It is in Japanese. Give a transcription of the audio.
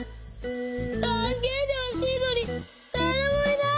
たすけてほしいのにだれもいない！